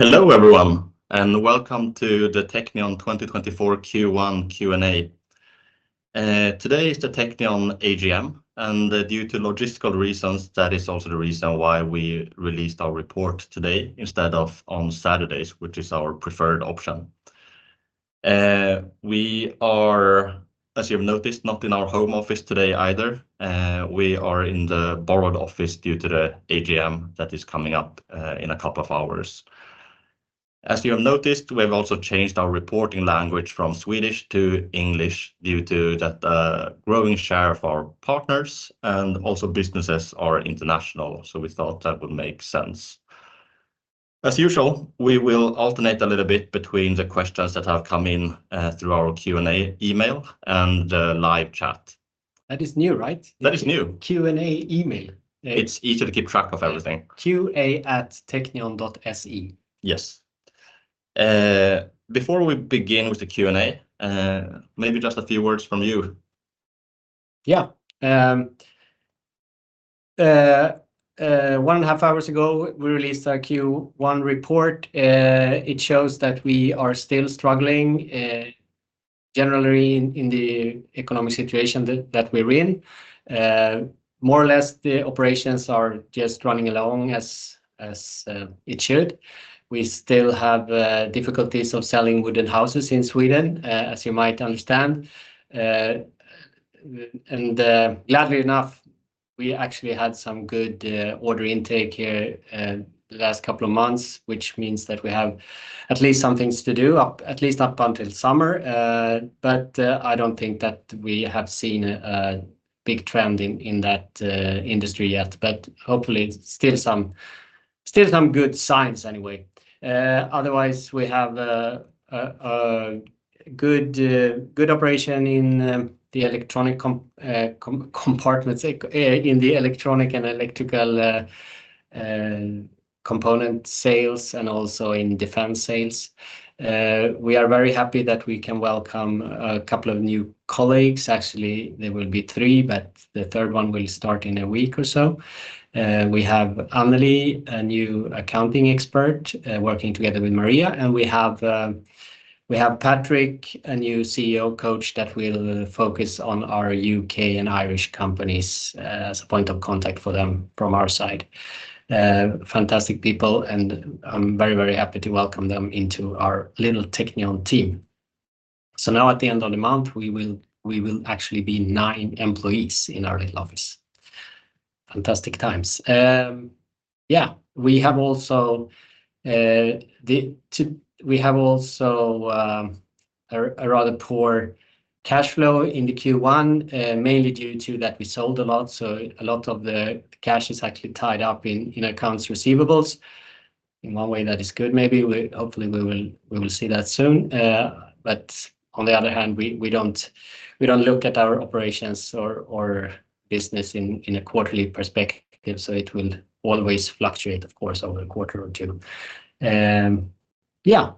Hello everyone, and welcome to the Teqnion 2024 Q1 Q&A. Today is the Teqnion AGM, and due to logistical reasons, that is also the reason why we released our report today instead of on Saturdays, which is our preferred option. We are, as you have noticed, not in our home office today either. We are in the borrowed office due to the AGM that is coming up in a couple of hours. As you have noticed, we have also changed our reporting language from Swedish to English due to the growing share of our partners, and also businesses are international, so we thought that would make sense. As usual, we will alternate a little bit between the questions that have come in through our Q&A email and the live chat. That is new, right? That is new. Q&A email. It's easy to keep track of everything. qa@teqnion.se. Yes. Before we begin with the Q&A, maybe just a few words from you. Yeah. 1.5 hours ago, we released our Q1 report. It shows that we are still struggling, generally in the economic situation that we're in. More or less, the operations are just running along as it should. We still have difficulties of selling wooden houses in Sweden, as you might understand. And gladly enough, we actually had some good order intake here the last couple of months, which means that we have at least some things to do, at least up until summer. But I don't think that we have seen a big trend in that industry yet, but hopefully still some good signs anyway. Otherwise, we have good operation in the electronic components, in the electronic and electrical component sales, and also in defense sales. We are very happy that we can welcome a couple of new colleagues. Actually, there will be three, but the third one will start in a week or so. We have Anneli, a new accounting expert, working together with Maria. We have Patrik, a new CEO coach that will focus on our U.K. and Irish companies as a point of contact for them from our side. Fantastic people, and I'm very, very happy to welcome them into our little Teqnion team. Now, at the end of the month, we will actually be nine employees in our little office. Fantastic times. Yeah, we have also a rather poor cash flow in the Q1, mainly due to that we sold a lot, so a lot of the cash is actually tied up in accounts receivable. In one way, that is good, maybe. Hopefully, we will see that soon. On the other hand, we don't look at our operations or business in a quarterly perspective, so it will always fluctuate, of course, over a quarter or two. Yeah.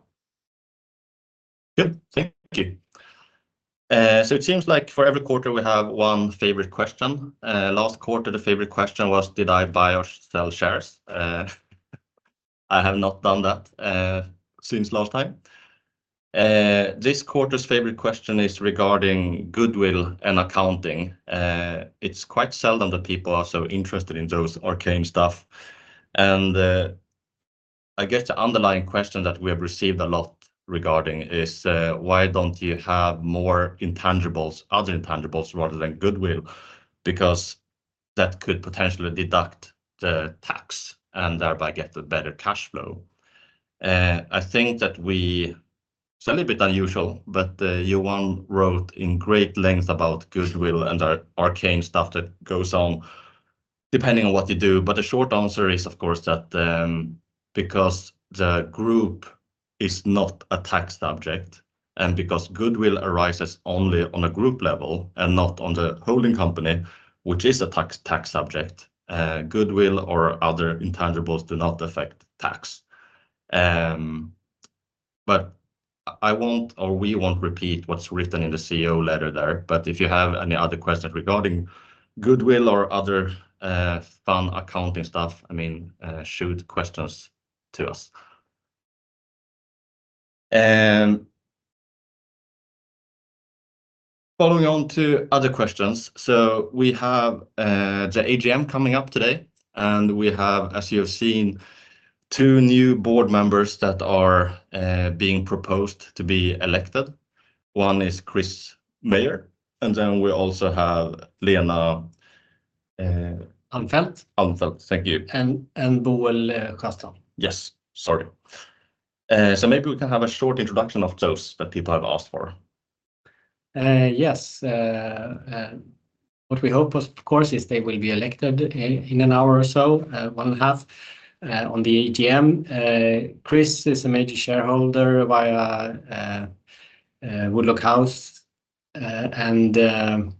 Yep, thank you. So it seems like for every quarter, we have one favorite question. Last quarter, the favorite question was, "Did I buy or sell shares?" I have not done that since last time. This quarter's favorite question is regarding goodwill and accounting. It's quite seldom that people are so interested in those arcane stuff. And I guess the underlying question that we have received a lot regarding is, "Why don't you have other intangibles rather than goodwill?" Because that could potentially deduct the tax and thereby get a better cash flow. I think that we, it's a little bit unusual, but Johan wrote in great length about goodwill and the arcane stuff that goes on depending on what you do. But the short answer is, of course, that because the group is not a tax subject and because goodwill arises only on a group level and not on the holding company, which is a tax subject, goodwill or other intangibles do not affect tax. But I won't, or we won't repeat what's written in the CEO letter there. But if you have any other questions regarding goodwill or other fun accounting stuff, I mean, shoot questions to us. Following on to other questions, so we have the AGM coming up today, and we have, as you have seen, two new board members that are being proposed to be elected. One is Chris Mayer, and then we also have Lena. Almfeldt. Almfeldt, thank you. And Boel Sundvall. Yes, sorry. So maybe we can have a short introduction of those that people have asked for. Yes. What we hope was, of course, is they will be elected in an hour or so, one and a half, on the AGM. Chris is a major shareholder via Woodlock House, and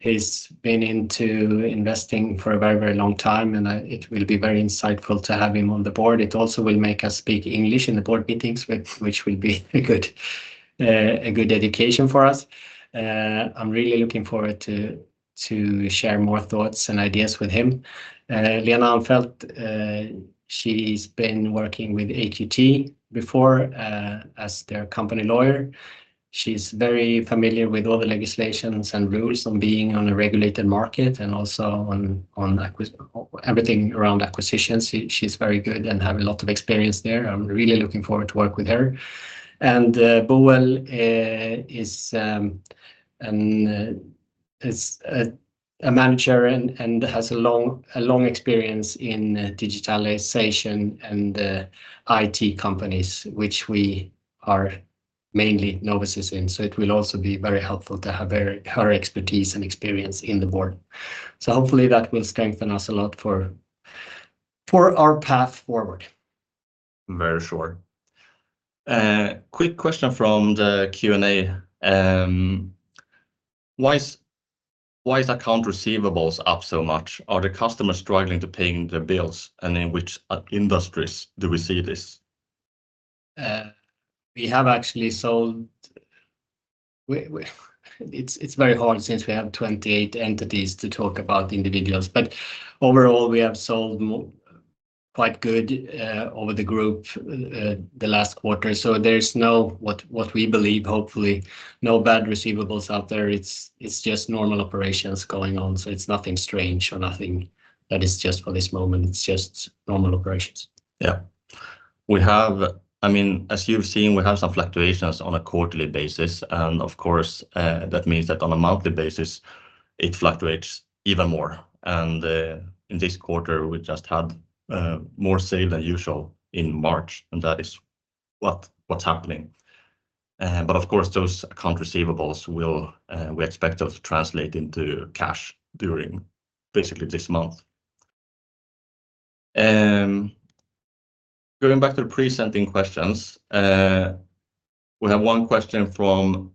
he's been into investing for a very, very long time, and it will be very insightful to have him on the board. It also will make us speak English in the board meetings, which will be a good dedication for us. I'm really looking forward to sharing more thoughts and ideas with him. Lena Almfeldt, she's been working with AQ before as their company lawyer. She's very familiar with all the legislations and rules on being on a regulated market and also on everything around acquisitions. She's very good and has a lot of experience there. I'm really looking forward to working with her. Boel is a manager and has a long experience in digitalization and IT companies, which we are mainly novices in. So it will also be very helpful to have her expertise and experience in the board. So hopefully, that will strengthen us a lot for our path forward. Very sure. Quick question from the Q&A. Why is accounts receivable up so much? Are the customers struggling to pay the bills, and in which industries do we see this? We have actually sold. It's very hard since we have 28 entities to talk about individuals. But overall, we have sold quite good over the group the last quarter. So there's no, what we believe, hopefully, no bad receivables out there. It's just normal operations going on, so it's nothing strange or nothing that is just for this moment. It's just normal operations. Yeah. I mean, as you've seen, we have some fluctuations on a quarterly basis, and of course, that means that on a monthly basis, it fluctuates even more. In this quarter, we just had more sale than usual in March, and that is what's happening. Of course, those account receivables, we expect those to translate into cash during basically this month. Going back to the pre-submitted questions, we have one question from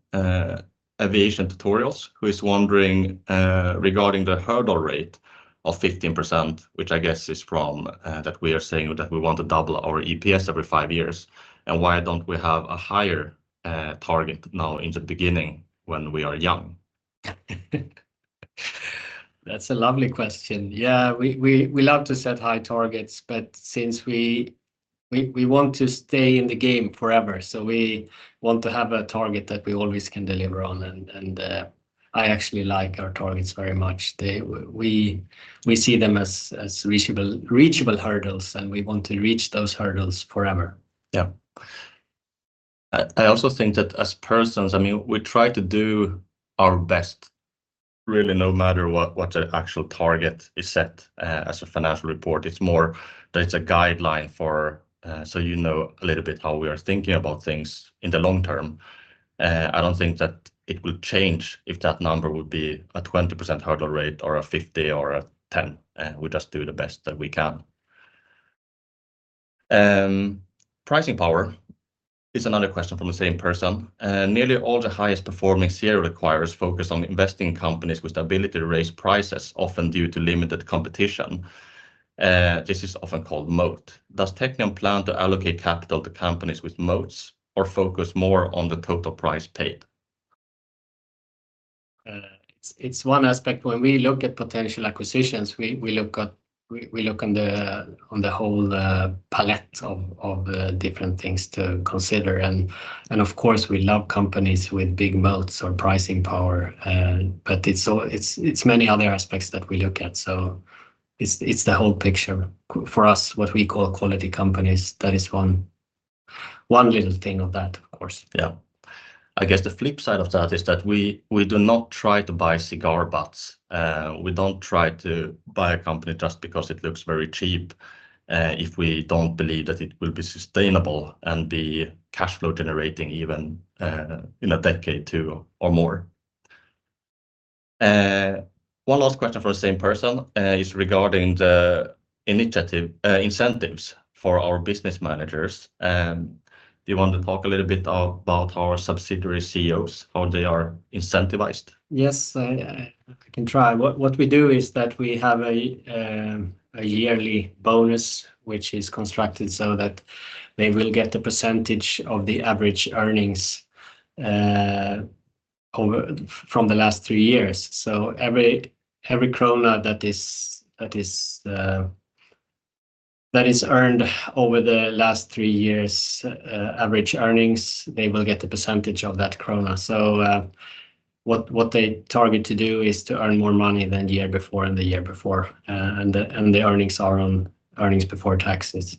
Aviation Tutorials, who is wondering regarding the hurdle rate of 15%, which I guess is from that we are saying that we want to double our EPS every five years, and why don't we have a higher target now in the beginning when we are young? That's a lovely question. Yeah, we love to set high targets, but since we want to stay in the game forever, so we want to have a target that we always can deliver on. I actually like our targets very much. We see them as reachable hurdles, and we want to reach those hurdles forever. Yeah. I also think that as persons, I mean, we try to do our best, really, no matter what the actual target is set as a financial report. It's more that it's a guideline so you know a little bit how we are thinking about things in the long term. I don't think that it will change if that number would be a 20% hurdle rate or a 50% or a 10%. We just do the best that we can. Pricing power is another question from the same person. Nearly all the highest performing CEOs requires focus on investing in companies with the ability to raise prices, often due to limited competition. This is often called moat. Does Teqnion plan to allocate capital to companies with moats or focus more on the total price paid? It's one aspect. When we look at potential acquisitions, we look on the whole palette of different things to consider. And of course, we love companies with big moats or pricing power, but it's many other aspects that we look at. So it's the whole picture. For us, what we call quality companies, that is one little thing of that, of course. Yeah. I guess the flip side of that is that we do not try to buy cigar butts. We don't try to buy a company just because it looks very cheap if we don't believe that it will be sustainable and be cash flow generating even in a decade or more. One last question from the same person is regarding the incentives for our business managers. Do you want to talk a little bit about our subsidiary CEOs, how they are incentivized? Yes, I can try. What we do is that we have a yearly bonus, which is constructed so that they will get the percentage of the average earnings from the last three years. So every Krona that is earned over the last three years' average earnings, they will get the percentage of that Krona. So what they target to do is to earn more money than the year before and the year before, and the earnings are on earnings before taxes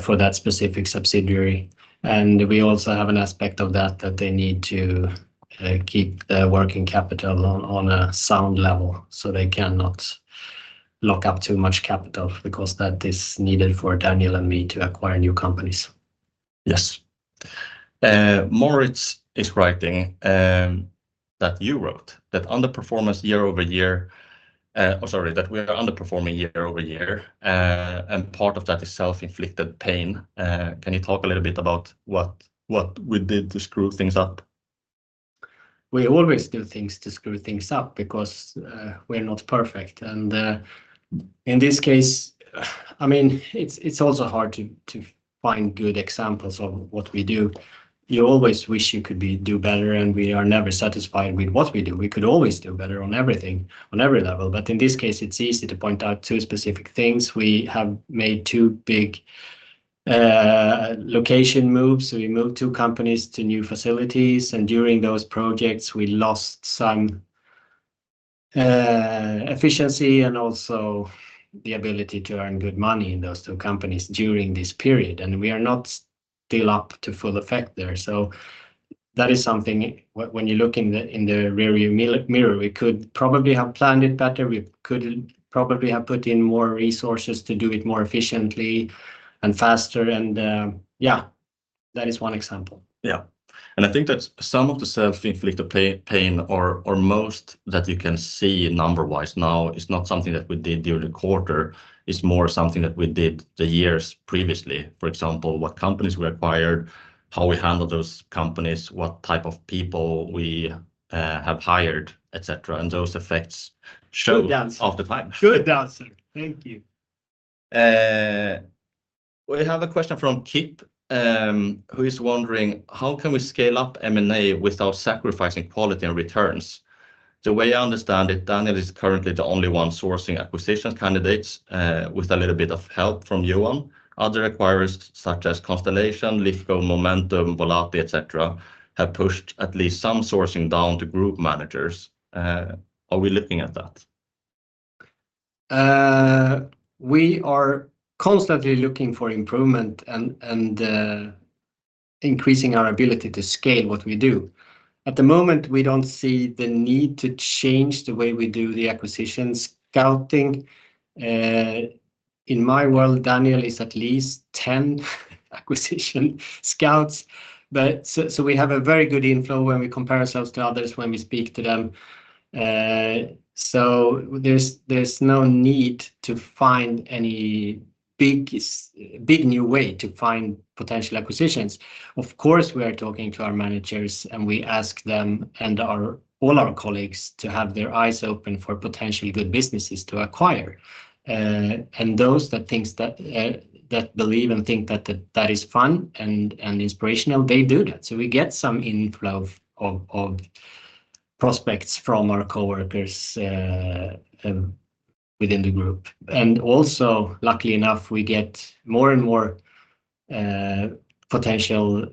for that specific subsidiary. We also have an aspect of that, that they need to keep the working capital on a sound level so they cannot lock up too much capital because that is needed for Daniel and me to acquire new companies. Yes. Mauritz is writing that you wrote that underperformance year-over-year, oh, sorry, that we are underperforming year-over-year, and part of that is self-inflicted pain. Can you talk a little bit about what we did to screw things up? We always do things to screw things up because we're not perfect. In this case, I mean, it's also hard to find good examples of what we do. You always wish you could do better, and we are never satisfied with what we do. We could always do better on everything, on every level. In this case, it's easy to point out two specific things. We have made two big location moves. We moved two companies to new facilities, and during those projects, we lost some efficiency and also the ability to earn good money in those two companies during this period. And we are still not up to full effect there. That is something when you look in the rearview mirror; we could probably have planned it better. We could probably have put in more resources to do it more efficiently and faster. And yeah, that is one example. Yeah. I think that some of the self-inflicted pain, or most that you can see numberwise now, is not something that we did during the quarter. It's more something that we did the years previously. For example, what companies we acquired, how we handled those companies, what type of people we have hired, etc. And those effects show up over time. Good answer. Good answer. Thank you. We have a question from Kip, who is wondering, "How can we scale up M&A without sacrificing quality and returns?" The way I understand it, Daniel is currently the only one sourcing acquisitions candidates with a little bit of help from Johan. Other acquirers such as Constellation, Lifco, Momentum, Volati, etc., have pushed at least some sourcing down to group managers. Are we looking at that? We are constantly looking for improvement and increasing our ability to scale what we do. At the moment, we don't see the need to change the way we do the acquisition scouting. In my world, Daniel is at least 10 acquisition scouts. But so we have a very good inflow when we compare ourselves to others when we speak to them. So there's no need to find any big new way to find potential acquisitions. Of course, we are talking to our managers, and we ask them and all our colleagues to have their eyes open for potentially good businesses to acquire. And those that believe and think that that is fun and inspirational, they do that. So we get some inflow of prospects from our coworkers within the group. And also, luckily enough, we get more and more potential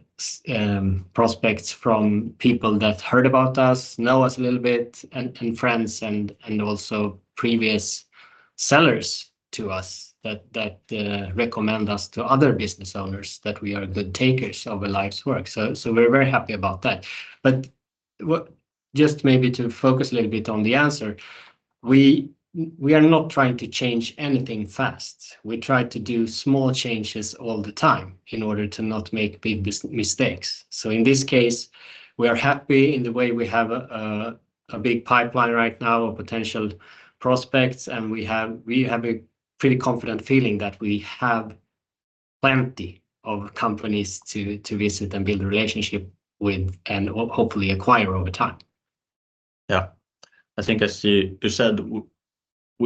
prospects from people that heard about us, know us a little bit, and friends and also previous sellers to us that recommend us to other business owners that we are good takers of a life's work. So we're very happy about that. But just maybe to focus a little bit on the answer, we are not trying to change anything fast. We try to do small changes all the time in order to not make big mistakes. So in this case, we are happy in the way we have a big pipeline right now of potential prospects, and we have a pretty confident feeling that we have plenty of companies to visit and build a relationship with and hopefully acquire over time. Yeah. I think, as you said,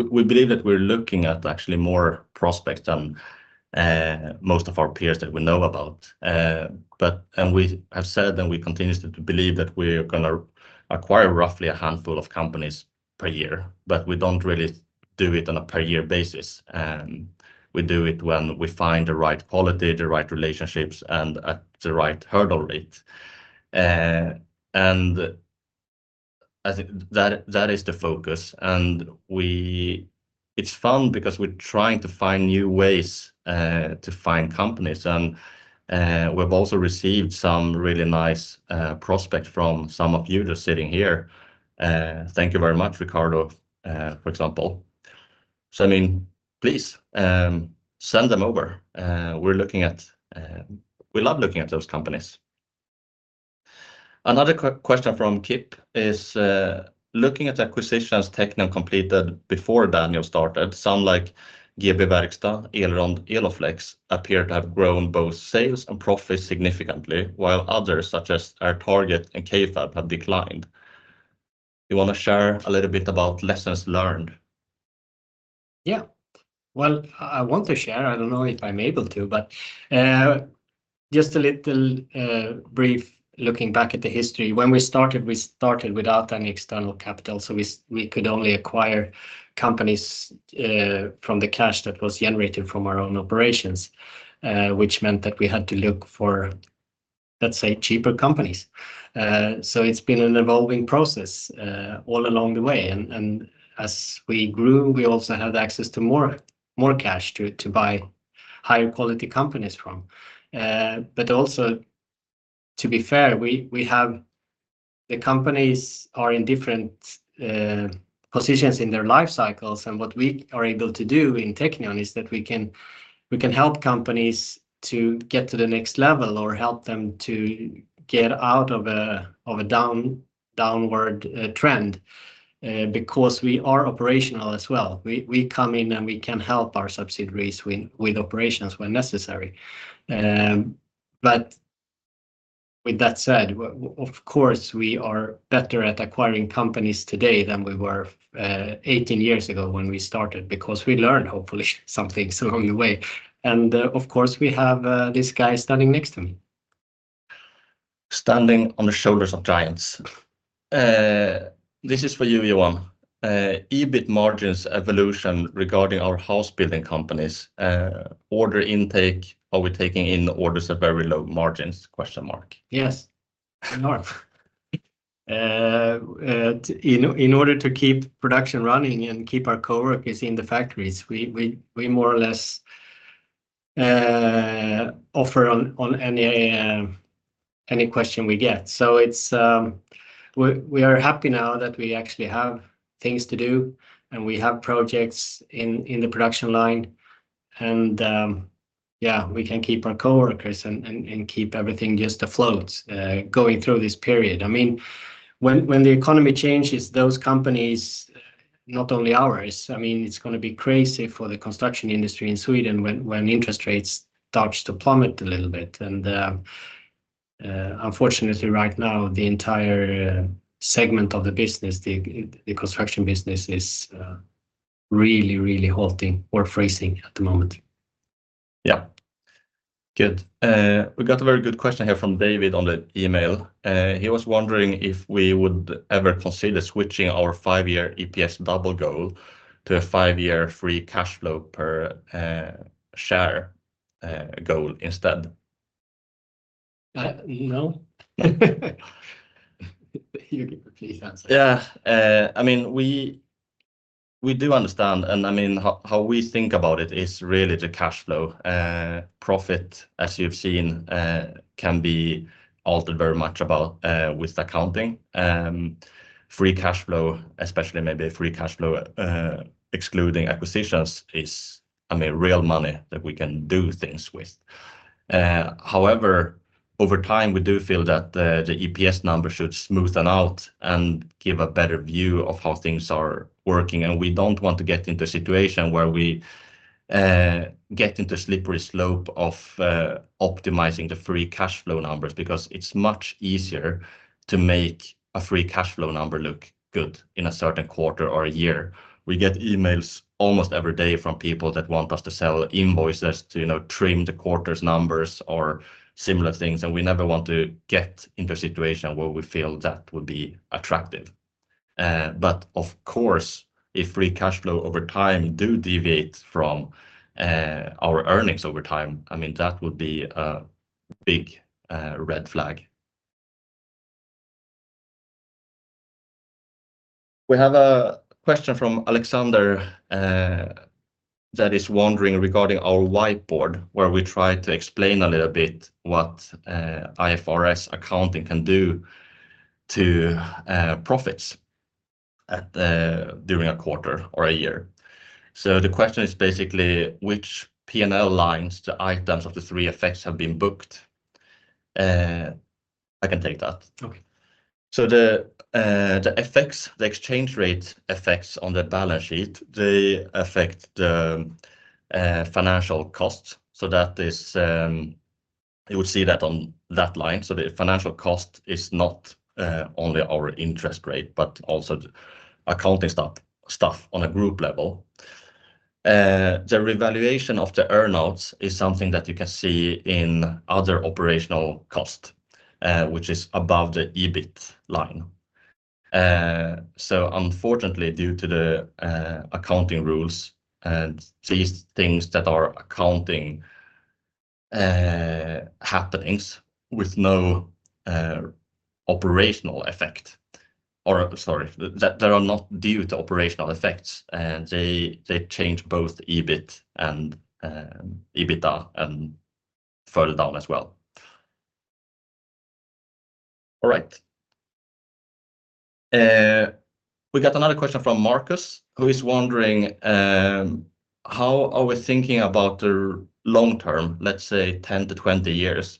we believe that we're looking at actually more prospects than most of our peers that we know about. We have said, and we continue to believe, that we're going to acquire roughly a handful of companies per year, but we don't really do it on a per-year basis. We do it when we find the right quality, the right relationships, and at the right hurdle rate. That is the focus. It's fun because we're trying to find new ways to find companies. We've also received some really nice prospects from some of you just sitting here. Thank you very much, Ricardo, for example. So I mean, please send them over. We're looking at, we love looking at those companies. Another question from Kip is, "Looking at acquisitions Teqnion completed before Daniel started, some like GB Verkstad, Elrond, Eloflex appear to have grown both sales and profits significantly, while others such as AirTarget and KFAB have declined. Do you want to share a little bit about lessons learned? Yeah. Well, I want to share. I don't know if I'm able to, but just a little brief looking back at the history. When we started, we started without any external capital. So we could only acquire companies from the cash that was generated from our own operations, which meant that we had to look for, let's say, cheaper companies. So it's been an evolving process all along the way. And as we grew, we also had access to more cash to buy higher quality companies from. But also, to be fair, the companies are in different positions in their life cycles. And what we are able to do in Teqnion is that we can help companies to get to the next level or help them to get out of a downward trend because we are operational as well. We come in, and we can help our subsidiaries with operations when necessary. But with that said, of course, we are better at acquiring companies today than we were 18 years ago when we started because we learned, hopefully, something along the way. And of course, we have this guy standing next to me. Standing on the shoulders of giants. This is for you, Johan. EBIT margins evolution regarding our house-building companies, order intake, are we taking in orders at very low margins? Yes. We are. In order to keep production running and keep our coworkers in the factories, we more or less offer on any question we get. So we are happy now that we actually have things to do, and we have projects in the production line. And yeah, we can keep our coworkers and keep everything just afloat going through this period. I mean, when the economy changes, those companies, not only ours, I mean, it's going to be crazy for the construction industry in Sweden when interest rates start to plummet a little bit. And unfortunately, right now, the entire segment of the business, the construction business, is really, really halting or freezing at the moment. Yeah. Good. We got a very good question here from David on the email. He was wondering if we would ever consider switching our five-year EPS double goal to a five-year free cash flow per share goal instead. No. You give a pleased answer. Yeah. I mean, we do understand. And I mean, how we think about it is really the cash flow. Profit, as you've seen, can be altered very much with accounting. Free cash flow, especially maybe free cash flow excluding acquisitions, is, I mean, real money that we can do things with. However, over time, we do feel that the EPS number should smoothen out and give a better view of how things are working. And we don't want to get into a situation where we get into a slippery slope of optimizing the free cash flow numbers because it's much easier to make a free cash flow number look good in a certain quarter or a year. We get emails almost every day from people that want us to sell invoices to trim the quarter's numbers or similar things. We never want to get into a situation where we feel that would be attractive. Of course, if free cash flow over time do deviate from our earnings over time, I mean, that would be a big red flag. We have a question from Alexander that is wondering regarding our whiteboard where we try to explain a little bit what IFRS accounting can do to profits during a quarter or a year. The question is basically, which P&L lines, the items of the three FX have been booked? I can take that. The FX, the exchange rate effects on the balance sheet, they affect the financial costs. You would see that on that line. The financial cost is not only our interest rate but also accounting stuff on a group level. The revaluation of the earnouts is something that you can see in other operational costs, which is above the EBIT line. So unfortunately, due to the accounting rules, these things that are accounting happenings with no operational effect—or sorry, that are not due to operational effects—they change both EBIT and EBITDA and further down as well. All right. We got another question from Marcus, who is wondering, "How are we thinking about the long term, let's say 10 years-20 years?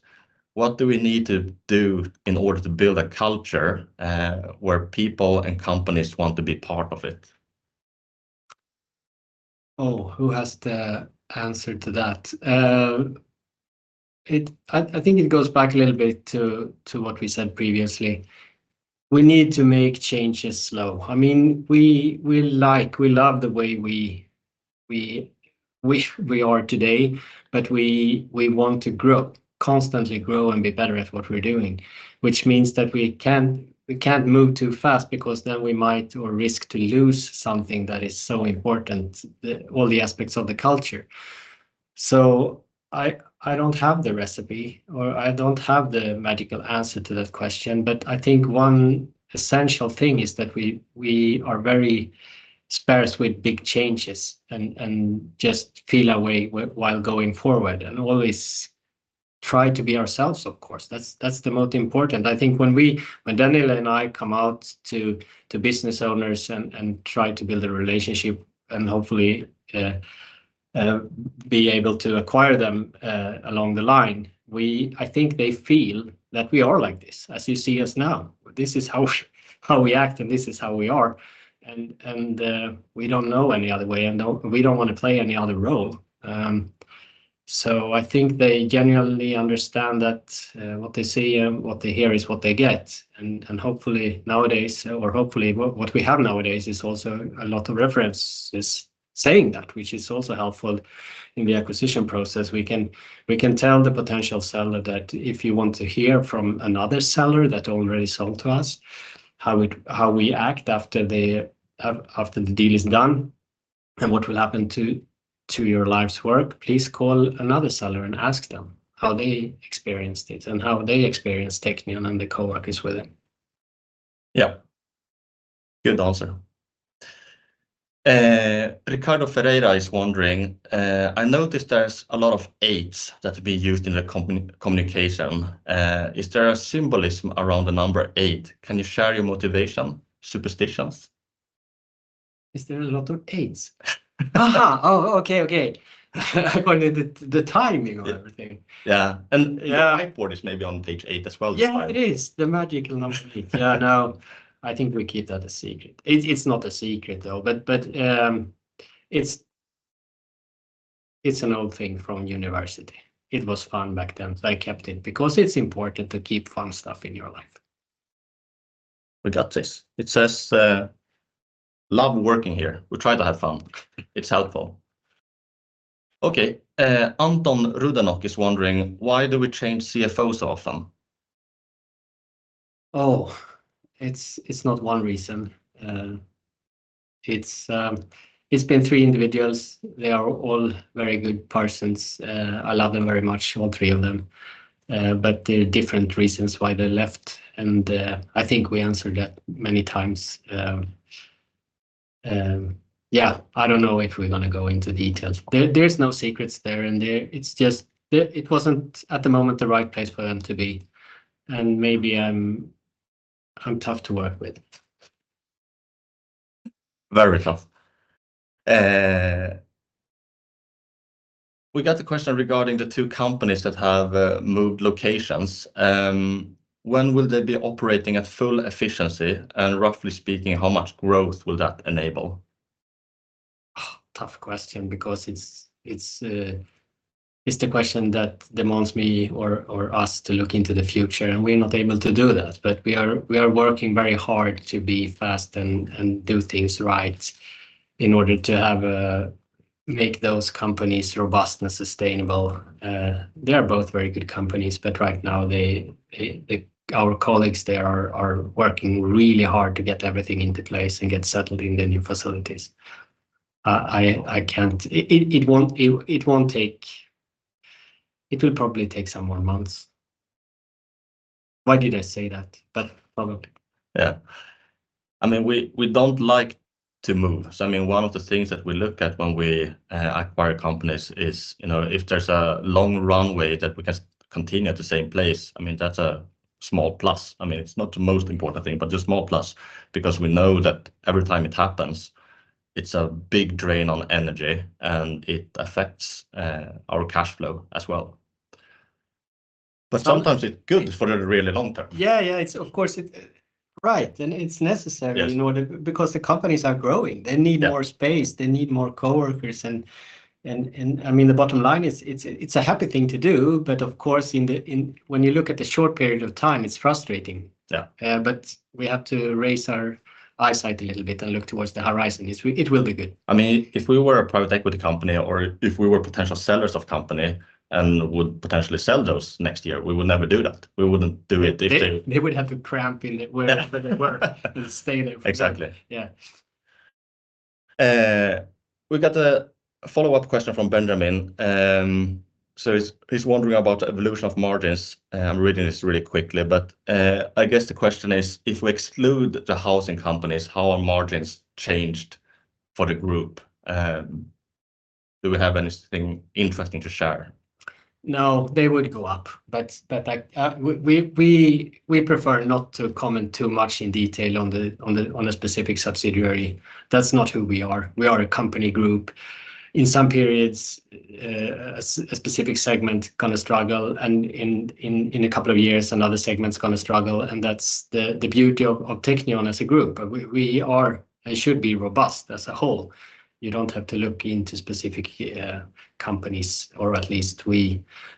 What do we need to do in order to build a culture where people and companies want to be part of it? Oh, who has the answer to that? I think it goes back a little bit to what we said previously. We need to make changes slow. I mean, we love the way we are today, but we want to grow, constantly grow, and be better at what we're doing, which means that we can't move too fast because then we might risk to lose something that is so important, all the aspects of the culture. So I don't have the recipe or I don't have the magical answer to that question. But I think one essential thing is that we are very sparse with big changes and just feel our way while going forward and always try to be ourselves, of course. That's the most important. I think when Daniel and I come out to business owners and try to build a relationship and hopefully be able to acquire them along the line, I think they feel that we are like this, as you see us now. This is how we act, and this is how we are. And we don't know any other way, and we don't want to play any other role. So I think they genuinely understand that what they see and what they hear is what they get. And hopefully, nowadays, or hopefully, what we have nowadays, is also a lot of references saying that, which is also helpful in the acquisition process. We can tell the potential seller that if you want to hear from another seller that already sold to us how we act after the deal is done and what will happen to your life's work, please call another seller and ask them how they experienced it and how they experienced Teqnion and the coworkers with it. Yeah. Good answer. Ricardo Ferreira is wondering, "I noticed there's a lot of eights that have been used in the communication. Is there a symbolism around the number eight? Can you share your motivation, superstitions? Is there a lot of eights? Aha. Oh, okay. Okay. According to the timing or everything. Yeah. The whiteboard is maybe on page 8 as well. Yeah, it is. The magical number eight. Yeah. No, I think we keep that a secret. It's not a secret, though. But it's an old thing from university. It was fun back then, so I kept it because it's important to keep fun stuff in your life. We got this. It says, "Love working here. We try to have fun. It's helpful." Okay. Anton Rudenok is wondering, "Why do we change CFOs so often? Oh, it's not one reason. It's been three individuals. They are all very good persons. I love them very much, all three of them. But there are different reasons why they left. And I think we answered that many times. Yeah. I don't know if we're going to go into details. There's no secrets there. And it wasn't, at the moment, the right place for them to be. And maybe I'm tough to work with. Very tough. We got a question regarding the two companies that have moved locations. When will they be operating at full efficiency? And roughly speaking, how much growth will that enable? Tough question because it's the question that demands me or us to look into the future. We're not able to do that. We are working very hard to be fast and do things right in order to make those companies robust and sustainable. They are both very good companies. Right now, our colleagues there are working really hard to get everything into place and get settled in the new facilities. It won't take. It will probably take some more months. Why did I say that? Probably. Yeah. I mean, we don't like to move. So I mean, one of the things that we look at when we acquire companies is if there's a long runway that we can continue at the same place. I mean, that's a small plus. I mean, it's not the most important thing, but just small plus because we know that every time it happens, it's a big drain on energy, and it affects our cash flow as well. But sometimes it's good for the really long term. Yeah. Yeah. Of course. Right. And it's necessary because the companies are growing. They need more space. They need more coworkers. And I mean, the bottom line, it's a happy thing to do. But of course, when you look at the short period of time, it's frustrating. But we have to raise our eyesight a little bit and look towards the horizon. It will be good. I mean, if we were a private equity company or if we were potential sellers of a company and would potentially sell those next year, we would never do that. We wouldn't do it if they. They would have to cram in where they were and stay there. Exactly. Yeah. We got a follow-up question from Benjamin. So he's wondering about the evolution of margins. I'm reading this really quickly. But I guess the question is, if we exclude the housing companies, how are margins changed for the group? Do we have anything interesting to share? No, they would go up. But we prefer not to comment too much in detail on a specific subsidiary. That's not who we are. We are a company group. In some periods, a specific segment is going to struggle. And in a couple of years, another segment is going to struggle. And that's the beauty of Teqnion as a group. We are and should be robust as a whole. You don't have to look into specific companies. Or at least,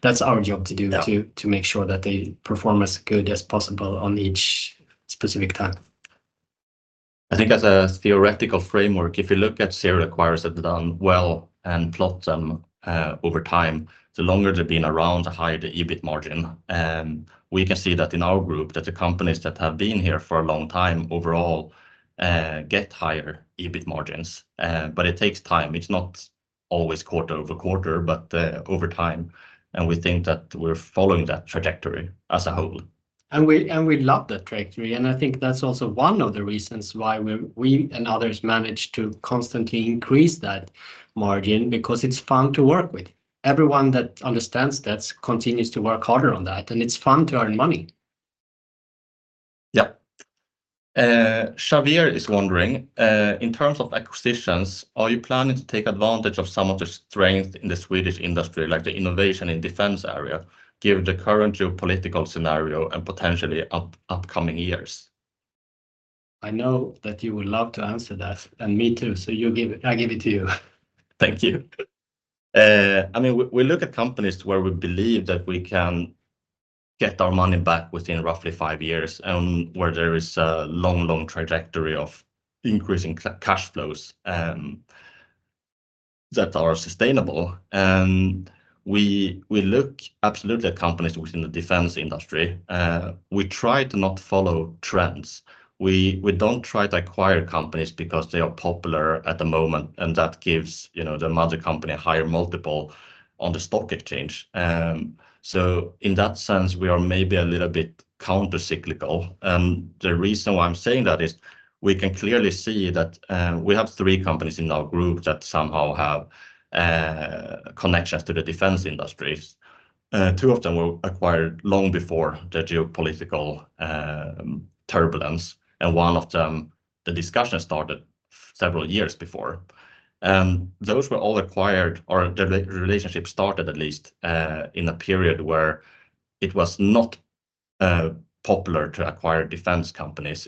that's our job to do, to make sure that they perform as good as possible on each specific time. I think as a theoretical framework, if you look at serial acquirers that have done well and plot them over time, the longer they've been around, the higher the EBIT margin. We can see that in our group, that the companies that have been here for a long time overall get higher EBIT margins. But it takes time. It's not always quarter over quarter, but over time. And we think that we're following that trajectory as a whole. We love that trajectory. I think that's also one of the reasons why we and others manage to constantly increase that margin because it's fun to work with. Everyone that understands that continues to work harder on that. It's fun to earn money. Yeah. Xavier is wondering, "In terms of acquisitions, are you planning to take advantage of some of the strengths in the Swedish industry, like the innovation in defense area, given the current geopolitical scenario and potentially upcoming years? I know that you would love to answer that. Me too. I give it to you. Thank you. I mean, we look at companies where we believe that we can get our money back within roughly five years and where there is a long, long trajectory of increasing cash flows that are sustainable. We look absolutely at companies within the defense industry. We try to not follow trends. We don't try to acquire companies because they are popular at the moment. That gives the mother company a higher multiple on the stock exchange. So in that sense, we are maybe a little bit countercyclical. The reason why I'm saying that is we can clearly see that we have three companies in our group that somehow have connections to the defense industries. Two of them were acquired long before the geopolitical turbulence. One of them, the discussion started several years before. Those were all acquired, or the relationship started at least in a period where it was not popular to acquire defense companies.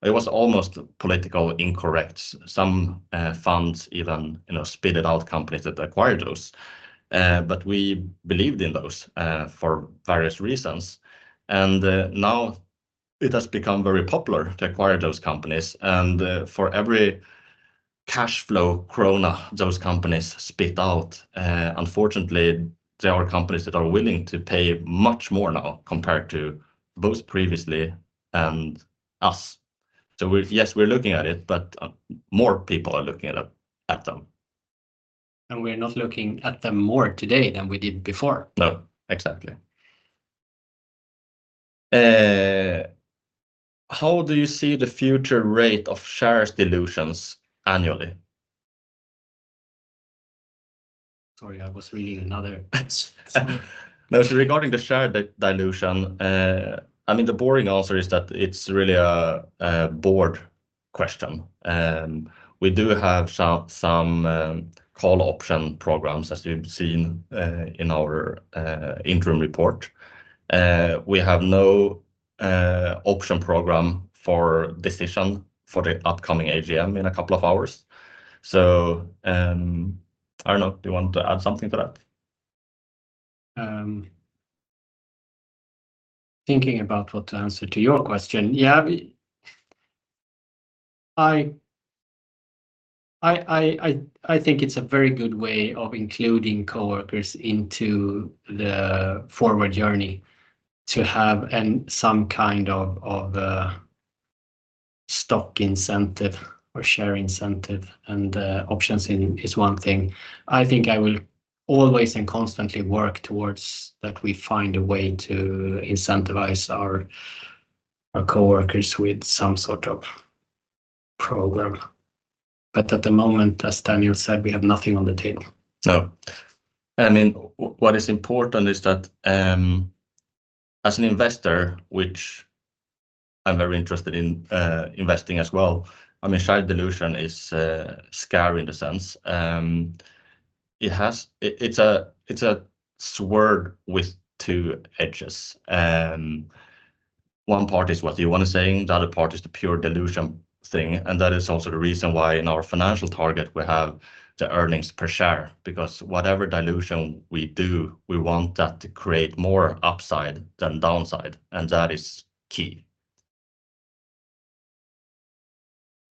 It was almost politically incorrect. Some funds even spit out companies that acquired those. But we believed in those for various reasons. Now it has become very popular to acquire those companies. For every cash flow SEK those companies spit out, unfortunately, there are companies that are willing to pay much more now compared to both previously and us. So yes, we're looking at it, but more people are looking at them. We're not looking at them more today than we did before. No. Exactly. How do you see the future rate of shares dilutions annually? Sorry. I was reading another. No. So regarding the share dilution, I mean, the boring answer is that it's really a bored question. We do have some call option programs, as you've seen in our interim report. We have no option program for decision for the upcoming AGM in a couple of hours. So I don't know. Do you want to add something to that? Thinking about what to answer to your question, yeah. I think it's a very good way of including coworkers into the forward journey to have some kind of stock incentive or share incentive. Options is one thing. I think I will always and constantly work towards that we find a way to incentivize our coworkers with some sort of program. But at the moment, as Daniel said, we have nothing on the table. No. I mean, what is important is that as an investor, which I'm very interested in investing as well, I mean, share dilution is scary in the sense. It's a sword with two edges. One part is what you want to say. The other part is the pure dilution thing. And that is also the reason why in our financial target, we have the earnings per share because whatever dilution we do, we want that to create more upside than downside. And that is key.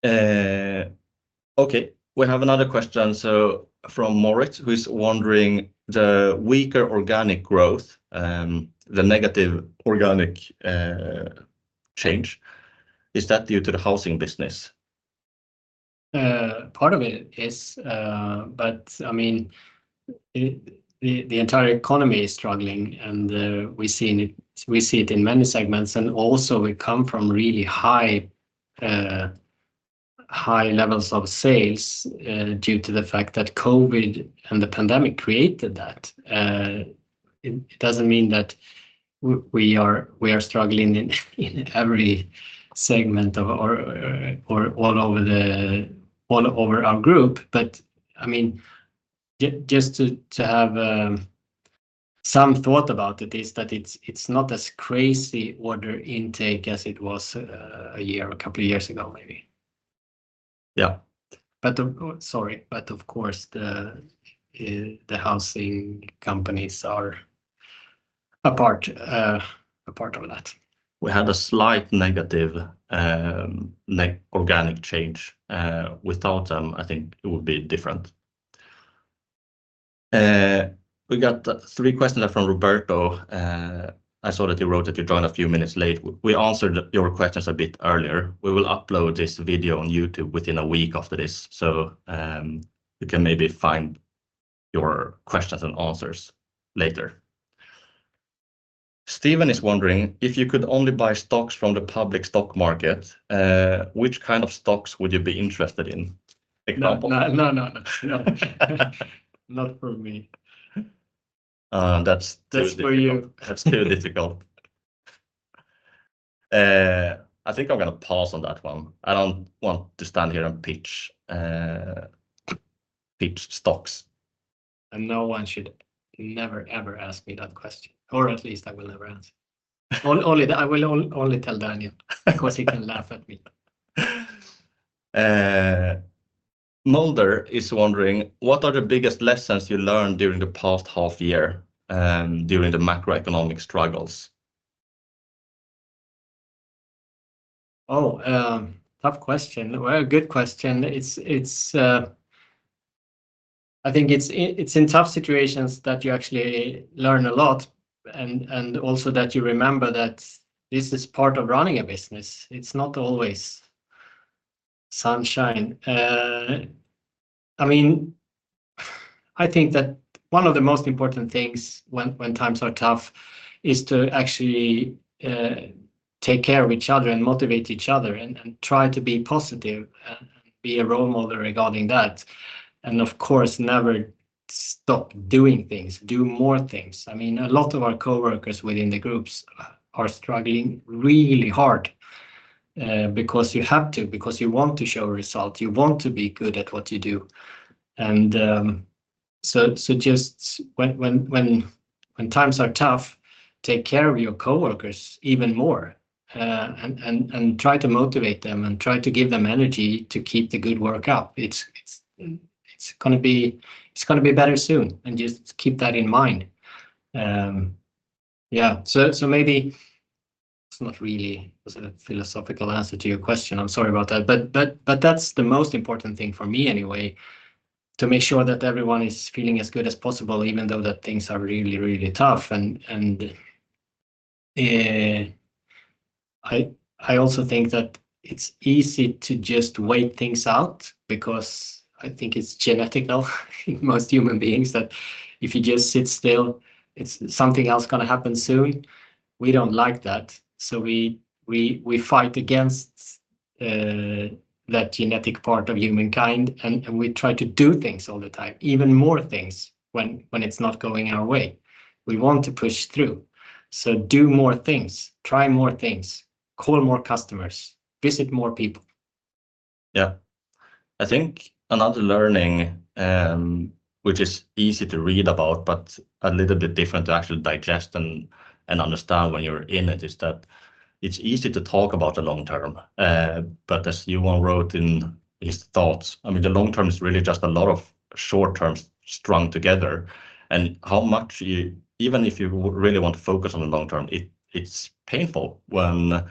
Okay. We have another question. So from Mauritz, who is wondering, "The weaker organic growth, the negative organic change, is that due to the housing business? Part of it is. But I mean, the entire economy is struggling. And we see it in many segments. And also, we come from really high levels of sales due to the fact that COVID and the pandemic created that. It doesn't mean that we are struggling in every segment or all over our group. But I mean, just to have some thought about it is that it's not as crazy order intake as it was a year or a couple of years ago, maybe. Sorry. But of course, the housing companies are a part of that. We had a slight negative organic change. Without them, I think it would be different. We got three questions from Roberto. I saw that you wrote that you joined a few minutes late. We answered your questions a bit earlier. We will upload this video on YouTube within a week after this. So you can maybe find your questions and answers later. Steven is wondering, "If you could only buy stocks from the public stock market, which kind of stocks would you be interested in?" Example. No. No. No. No. Not for me. That's for you. That's too difficult. I think I'm going to pause on that one. I don't want to stand here and pitch stocks. No one should never, ever ask me that question. Or at least, I will never answer. I will only tell Daniel because he can laugh at me. Mulder is wondering, "What are the biggest lessons you learned during the past half year during the macroeconomic struggles? Oh, tough question. Good question. I think it's in tough situations that you actually learn a lot and also that you remember that this is part of running a business. It's not always sunshine. I mean, I think that one of the most important things when times are tough is to actually take care of each other and motivate each other and try to be positive and be a role model regarding that. And of course, never stop doing things. Do more things. I mean, a lot of our coworkers within the groups are struggling really hard because you have to because you want to show a result. You want to be good at what you do. And so just when times are tough, take care of your coworkers even more and try to motivate them and try to give them energy to keep the good work up. It's going to be better soon. Just keep that in mind. Yeah. So maybe it's not really a philosophical answer to your question. I'm sorry about that. But that's the most important thing for me anyway, to make sure that everyone is feeling as good as possible even though that things are really, really tough. I also think that it's easy to just wait things out because I think it's genetic in most human beings that if you just sit still, something else is going to happen soon. We don't like that. So we fight against that genetic part of humankind. And we try to do things all the time, even more things when it's not going our way. We want to push through. So do more things. Try more things. Call more customers. Visit more people. Yeah. I think another learning, which is easy to read about but a little bit different to actually digest and understand when you're in it, is that it's easy to talk about the long term. But as Yvon wrote in his thoughts, I mean, the long term is really just a lot of short terms strung together. And even if you really want to focus on the long term, it's painful when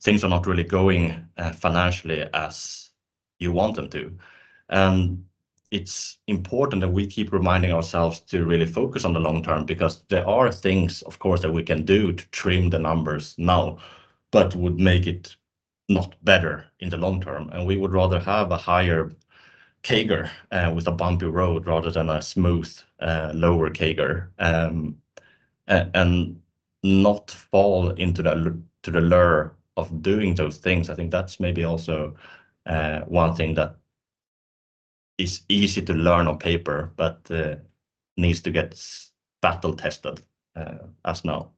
things are not really going financially as you want them to. And it's important that we keep reminding ourselves to really focus on the long term because there are things, of course, that we can do to trim the numbers now but would make it not better in the long term. We would rather have a higher CAGR with a bumpy road rather than a smooth lower CAGR and not fall into the lure of doing those things. I think that's maybe also one thing that is easy to learn on paper but needs to get battle-tested as now.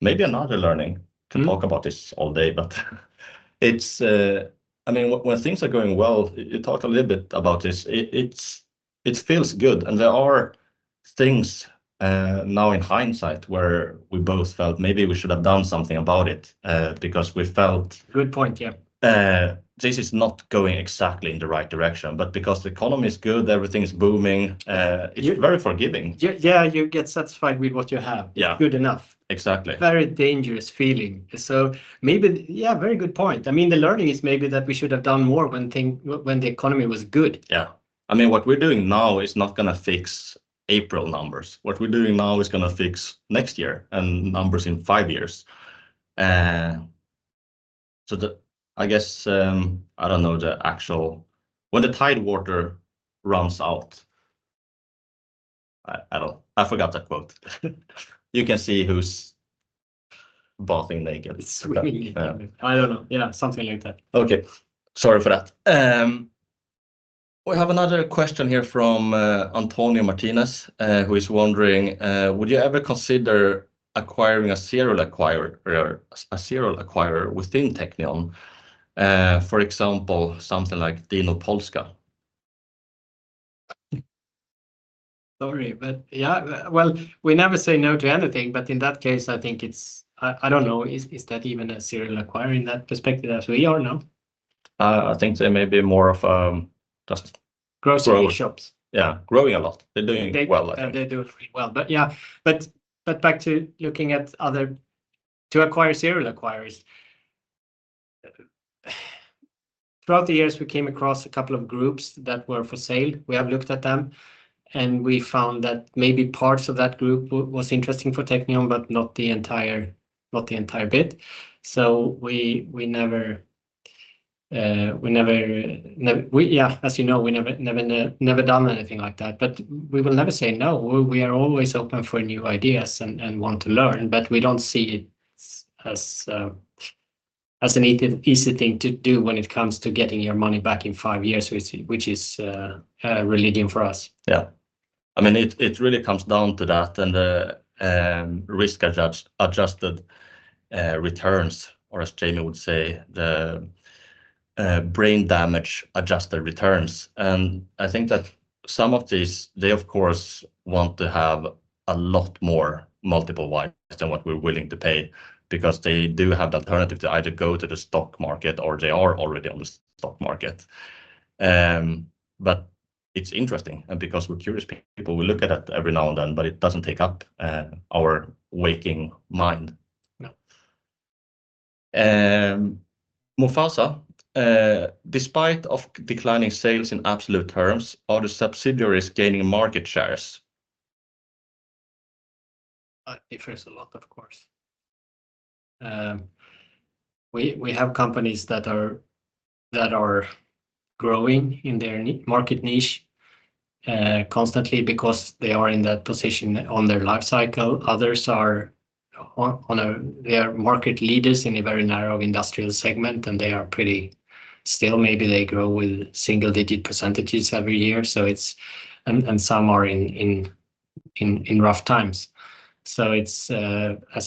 Maybe another learning. I can talk about this all day. But I mean, when things are going well, you talk a little bit about this. It feels good. And there are things now in hindsight where we both felt maybe we should have done something about it because we felt. Good point. Yeah. This is not going exactly in the right direction. But because the economy is good, everything's booming, it's very forgiving. Yeah. You get satisfied with what you have. It's good enough. Very dangerous feeling. So maybe, yeah, very good point. I mean, the learning is maybe that we should have done more when the economy was good. Yeah. I mean, what we're doing now is not going to fix April numbers. What we're doing now is going to fix next year and numbers in five years. So I guess I don't know the actual when the tide water runs out, I forgot that quote. You can see who's bathing naked. I don't know. Yeah. Something like that. Okay. Sorry for that. We have another question here from Antonio Martinez, who is wondering, "Would you ever consider acquiring a serial acquirer within Teqnion, for example, something like Dino Polska? Sorry. But yeah. Well, we never say no to anything. But in that case, I think it's, I don't know. Is that even a serial acquirer in that perspective as we are now? I think there may be more of just growing. Grocery shops. Yeah. Growing a lot. They're doing well. They do pretty well. But yeah. But back to looking at other to acquire serial acquirers. Throughout the years, we came across a couple of groups that were for sale. We have looked at them. And we found that maybe parts of that group were interesting for Teqnion but not the entire bit. So yeah. As you know, we've never done anything like that. But we will never say no. We are always open for new ideas and want to learn. But we don't see it as an easy thing to do when it comes to getting your money back in five years, which is religion for us. Yeah. I mean, it really comes down to that and risk-adjusted returns or, as Jamie would say, the brain-damage-adjusted returns. I think that some of these, they, of course, want to have a lot more multiple-wise than what we're willing to pay because they do have the alternative to either go to the stock market or they are already on the stock market. It's interesting. Because we're curious people, we look at it every now and then. It doesn't take up our waking mind. No. Mufasa: Despite declining sales in absolute terms, are the subsidiaries gaining market shares? It varies a lot, of course. We have companies that are growing in their market niche constantly because they are in that position on their life cycle. Others, they are market leaders in a very narrow industrial segment. They are pretty still. Maybe they grow with single-digit percentages every year. Some are in rough times. As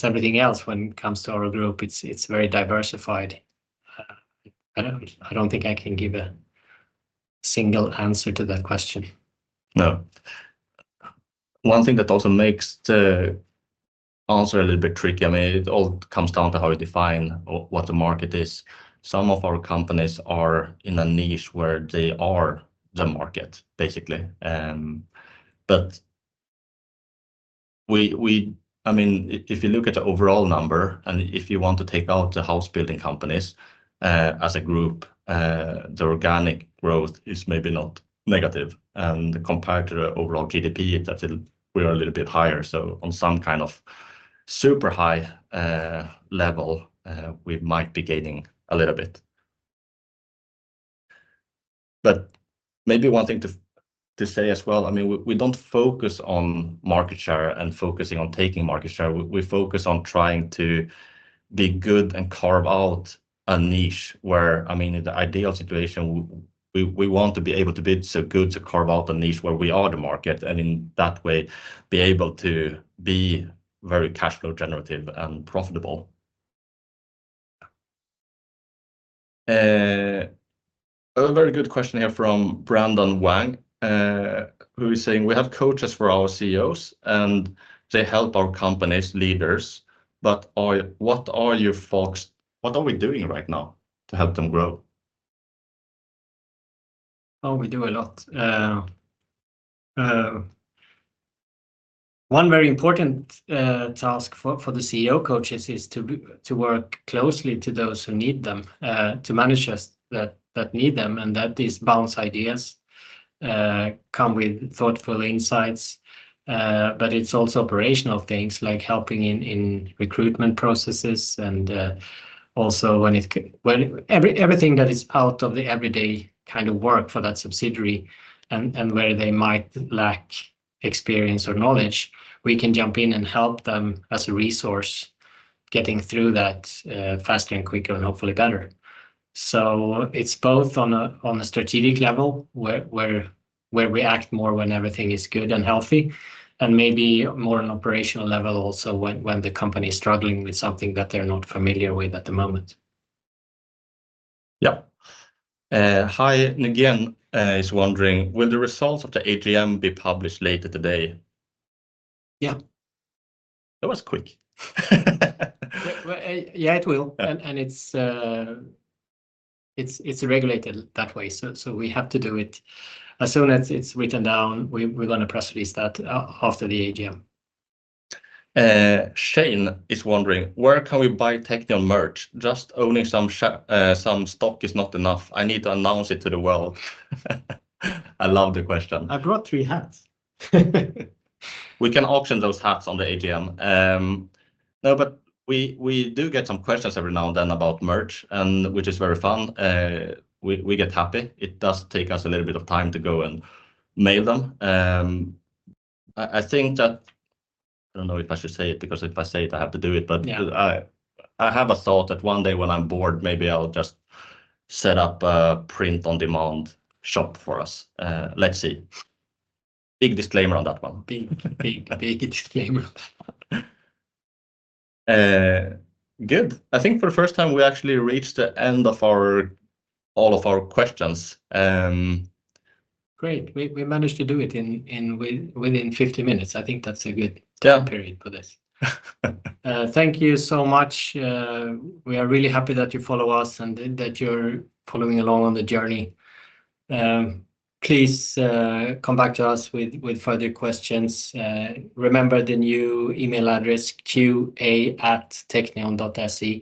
everything else when it comes to our group, it's very diversified. I don't think I can give a single answer to that question. No. One thing that also makes the answer a little bit tricky, I mean, it all comes down to how you define what the market is. Some of our companies are in a niche where they are the market, basically. But I mean, if you look at the overall number and if you want to take out the house-building companies as a group, the organic growth is maybe not negative. And compared to the overall GDP, we are a little bit higher. So on some kind of super high level, we might be gaining a little bit. But maybe one thing to say as well, I mean, we don't focus on market share and focusing on taking market share. We focus on trying to be good and carve out a niche where, I mean, in the ideal situation, we want to be able to bid so good to carve out a niche where we are the market and in that way, be able to be very cash-flow generative and profitable. Another very good question here from Brandon Wang, who is saying, "We have coaches for our CEOs. And they help our companies, leaders. But what are you folks what are we doing right now to help them grow? Oh, we do a lot. One very important task for the CEO coaches is to work closely to those who need them, to managers that need them. And that these bounce ideas come with thoughtful insights. But it's also operational things like helping in recruitment processes and also everything that is out of the everyday kind of work for that subsidiary and where they might lack experience or knowledge. We can jump in and help them as a resource getting through that faster and quicker and hopefully better. So it's both on a strategic level where we act more when everything is good and healthy and maybe more on operational level also when the company is struggling with something that they're not familiar with at the moment. Yeah. Hai Nguyen is wondering, "Will the results of the AGM be published later today? Yeah. That was quick. Yeah. It will. It's regulated that way. We have to do it. As soon as it's written down, we're going to press release that after the AGM. Shane is wondering, "Where can we buy Teqnion merch? Just owning some stock is not enough. I need to announce it to the world." I love the question. I brought three hats. We can auction those hats on the AGM. No. But we do get some questions every now and then about merch, which is very fun. We get happy. It does take us a little bit of time to go and mail them. I don't know if I should say it because if I say it, I have to do it. But I have a thought that one day when I'm bored, maybe I'll just set up a print-on-demand shop for us. Let's see. Big disclaimer on that one. Big, big, big disclaimer on that one. Good. I think for the first time, we actually reached the end of all of our questions. Great. We managed to do it within 50 minutes. I think that's a good time period for this. Thank you so much. We are really happy that you follow us and that you're following along on the journey. Please come back to us with further questions. Remember the new email address qa@teqnion.se.